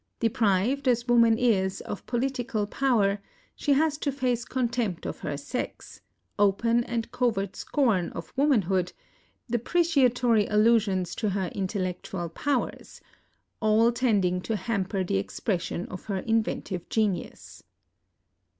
Deprived, as woman is, of political power, she has to face contempt of her sex, open and covert scorn of womanhood, depreciatory allusions to her intellectual powers, — all tending to hamper the expression of her inventive genius.